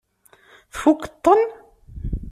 Tfukkeḍ-ten?